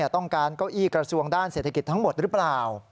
เก้าอี้กระทรวงด้านเศรษฐกิจทั้งหมดหรือเปล่า